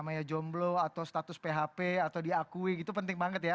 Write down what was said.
namanya jomblo atau status php atau diakui gitu penting banget ya